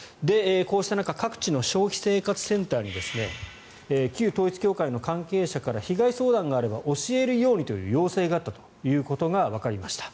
こうした中各地の消費生活センターに旧統一教会の関係者から被害相談があれば教えるようにという要請があったことがわかりました。